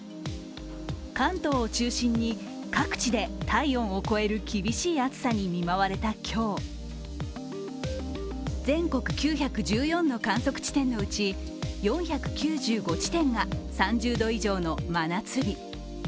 関東を中心に各地で体温を超える厳しい暑さに見舞われた今日、全国９１４の観測地点のうち４９５地点が３０度以上の真夏日。